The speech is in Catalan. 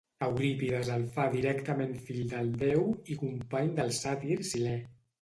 Eurípides el fa directament fill del déu i company del sàtir Silè.